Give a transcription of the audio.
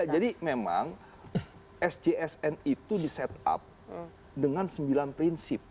ya jadi memang sjsn itu di set up dengan sembilan prinsip